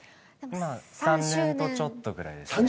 今３年とちょっとぐらいですね。